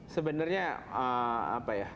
sebenarnya apa ya